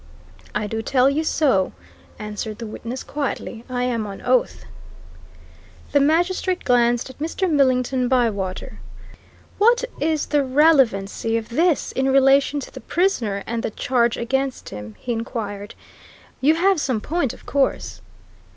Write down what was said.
"I do tell you so," answered the witness quietly. "I am on oath." The magistrate glanced at Mr. Millington Bywater. "What is the relevancy of this in relation to the prisoner and the charge against him?" he inquired. "You have some point, of course?"